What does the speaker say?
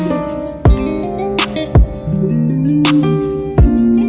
và tìm kiếm cứu nạn